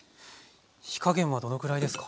火加減はどのくらいですか？